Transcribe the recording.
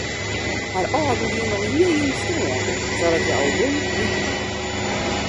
Har âlden wiene al hiel jong stoarn sadat hja al jong ryk wie.